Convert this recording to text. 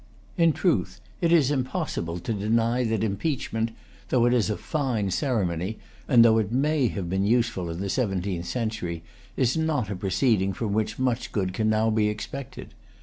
In truth, it is impossible to deny that impeachment, though it is a fine ceremony, and though it may have been useful in the seventeenth century, is not a proceeding from which much good can now be expected.